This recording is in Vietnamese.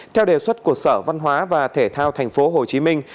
theo đề xuất của sở văn hóa và thể thao thành phố hồ chí minh